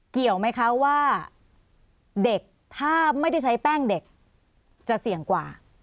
เกี่ยวไหมคะว่าเด็กถ้าไม่ได้ใช้แป้งเด็กจะเสี่ยงกว่า